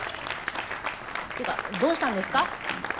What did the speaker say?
てかどうしたんですか？